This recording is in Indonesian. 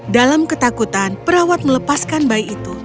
dalam ketakutan perawat melepaskan bayi itu